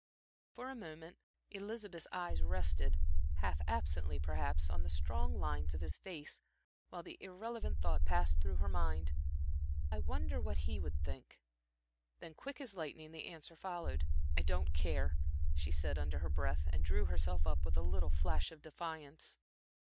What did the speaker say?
For a moment Elizabeth's eyes rested, half absently perhaps, on the strong lines of his face, while the irrelevant thought passed through her mind: "I wonder what he would think." Then, quick as lightning, the answer followed. "I don't care," she said, under her breath, and drew herself up with a little flash of defiance.